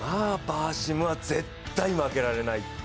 バーシムは絶対負けられない。